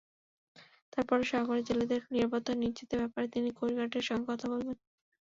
তারপরও সাগরে জেলেদের নিরাপত্তা নিশ্চিতের ব্যাপারে তিনি কোস্টগার্ডের সঙ্গে কথা বলবেন।